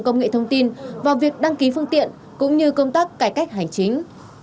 công nghệ thông tin vào việc đăng ký phương tiện cũng như công tác cải cách hành chính